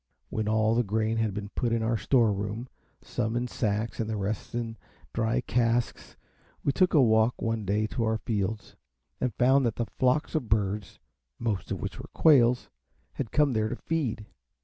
When all the grain had been put in our store room, some in sacks and the rest in dry casks, we took a walk one day to our fields, and found that flocks of birds, most of which were quails, had come there to feed.